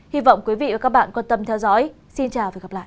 hi vọng quý vị và các bạn quan tâm theo dõi xin chào và gặp lại